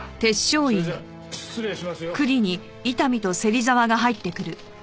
それじゃあ失礼しますよ。